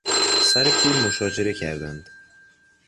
سر پول مشاجره کردند.